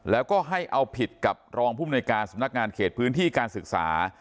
แล้วก็ให้เอาผิดกับรองภูมิหน่วยการสำนักงานเขตพื้นที่การศึกษา